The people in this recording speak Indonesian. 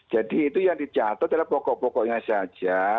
jadi itu yang dicatat adalah pokok pokoknya saja